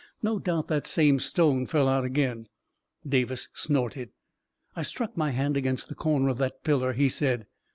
" No doubt that same stone fell out again !" Davis snorted " I struck my hand against the corner of that pillar," he said.